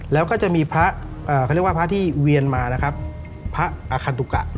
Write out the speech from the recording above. แล้วก็จะมีพระเขาเรียกว่าพระที่เวียนมานะครับพระอาคันตุกะ